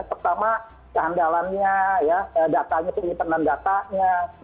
pertama kehandalannya datanya penyimpanan datanya